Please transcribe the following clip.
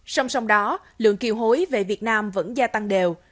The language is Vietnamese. song song đó lượng kiều hối về việt nam vẫn gia tăng đều